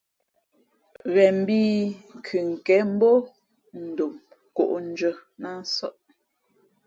Ghen mbhǐ kʉkěn mbǒ dom nkóndʉ̄ᾱ nā nsαʼ.